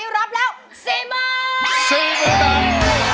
รับแล้วสิบหมื่น